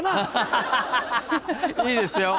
いいですよ。